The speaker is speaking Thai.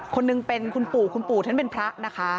คนหนึ่งเป็นคุณปู่คุณปู่ท่านเป็นพระนะคะ